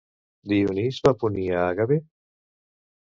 Dionís va punir a Agave?